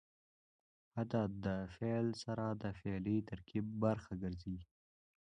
عدد د فعل سره د فعلي ترکیب برخه ګرځي.